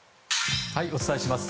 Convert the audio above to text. お伝えします。